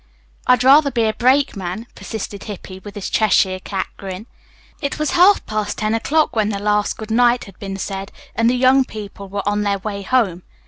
"I'd rather be a brakeman," persisted Hippy with his Cheshire cat grin. It was half past ten o'clock when the last good night had been said and the young people were on their way home.